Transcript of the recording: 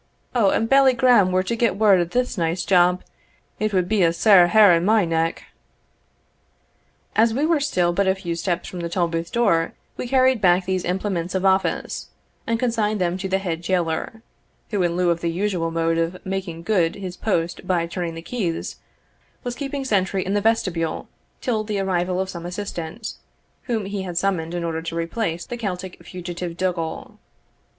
O, an Bailie Grahame were to get word o' this night's job, it would be a sair hair in my neck!" As we were still but a few steps from the tolbooth door, we carried back these implements of office, and consigned them to the head jailor, who, in lieu of the usual mode of making good his post by turning the keys, was keeping sentry in the vestibule till the arrival of some assistant, whom he had summoned in order to replace the Celtic fugitive Dougal.